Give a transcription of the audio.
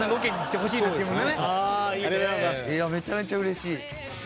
いやめちゃめちゃうれしい。